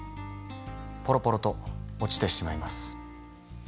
ぽろぽろと落ちてしまいます。